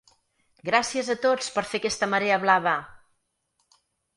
'Gràcies a tots per fer aquesta marea blava!'.